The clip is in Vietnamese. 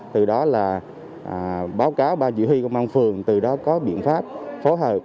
từ đó là báo cáo ba dự huy công an phường từ đó có biện pháp phối hợp